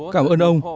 cảm ơn ông